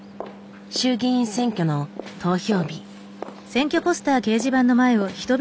衆議院選挙の投票日。